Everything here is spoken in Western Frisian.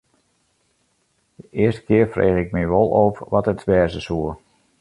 De earste kear frege ik my wol ôf wat it wêze soe.